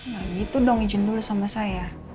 nah gitu dong izin dulu sama saya